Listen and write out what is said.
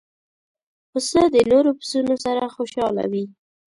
پسه د نور پسونو سره خوشاله وي.